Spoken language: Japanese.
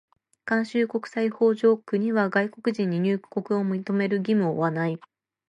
慣習国際法上、国は外国人に入国を認める義務を負わない。